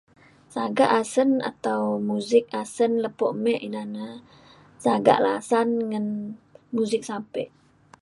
sagak asen atau muzik asen lepo me ina na sagak lasan ngan muzik sape